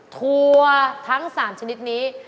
ทั่วทั้งสามชนิดงี้